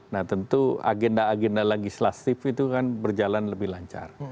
nah tentu agenda agenda legislatif itu kan berjalan lebih lancar